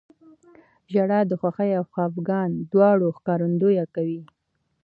• ژړا د خوښۍ او خفګان دواړو ښکارندویي کوي.